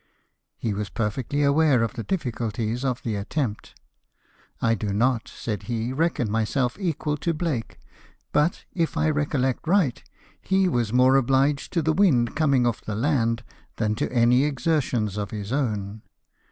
He was perfectly aware of the difficulties of the attempt. " I do not," said he, " reckon myself e|ual to Blake ; but, if I recollect right, he was more EXPEDITION AGAINST lENERXFFE. 113 obliged to the wind coming off the land than to any exertions of his own.